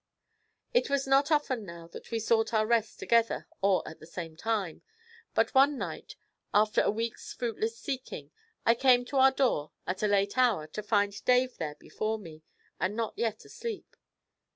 It was not often now that we sought our rest together or at the same time, but one night, after a week's fruitless seeking, I came to our door at a late hour to find Dave there before me, and not yet asleep.